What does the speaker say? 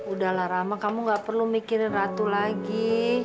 udahlah ramah kamu nggak perlu mikirin ratu lagi